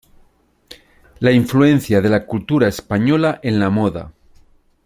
La Influencia de la Cultura Española en la Moda".